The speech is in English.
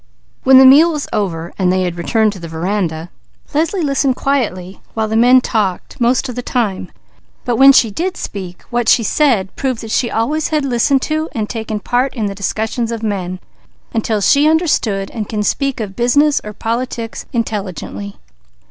When the meal was over and they had returned to the veranda, Leslie listened quietly while the men talked, most of the time, but when she did speak, what she said proved that she always had listened to and taken part in the discussions of men, until she understood and could speak of business or politics intelligently.